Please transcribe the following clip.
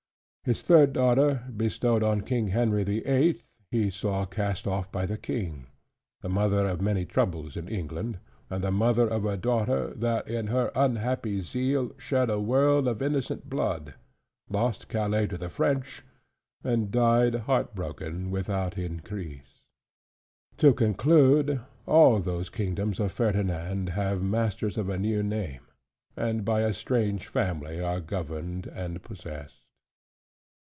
His third daughter, bestowed on King Henry the Eighth, he saw cast off by the King: the mother of many troubles in England; and the mother of a daughter, that in her unhappy zeal shed a world of innocent blood; lost Calais to the French; and died heartbroken without increase. To conclude, all those kingdoms of Ferdinand have masters of a new name; and by a strange family are governed and possessed.